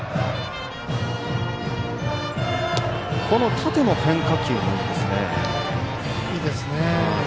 縦の変化球もいいですね。